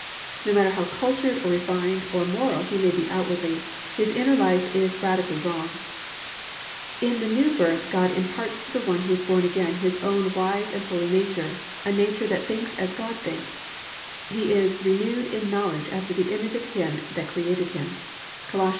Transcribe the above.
No matter how cultured or refined or moral he may be outwardly, his inner life is radically wrong. In the New Birth God imparts to the one who is born again His own wise and holy nature, a nature that thinks as God thinks (+"He is renewed in knowledge after the image of him that created him"+—Col.